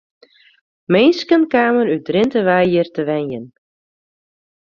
Minsken kamen út Drinte wei hjir te wenjen.